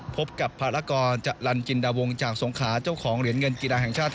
พบกับภารกรจรรย์จินดาวงจากสงขาเจ้าของเหรียญเงินกีฬาแห่งชาติ